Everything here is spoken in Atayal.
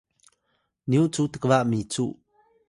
nyu cu tkba micu